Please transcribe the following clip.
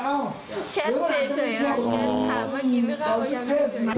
ฉันเจ๋ยเฉยครับฉันถามว่ากินข้าวยังไม่เจ๋ยเฉย